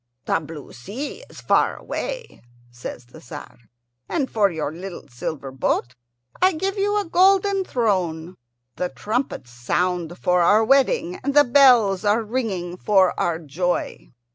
"The blue sea is far away," says the Tzar, "and for your little silver boat I give you a golden throne. The trumpets sound for our wedding, and the bells are ringing for our joy."